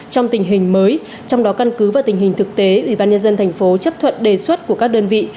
trong tình hình mới trong đó căn cứ và tình hình thực tế ủy ban nhân dân tp hcm chấp thuận đề xuất của các đơn vị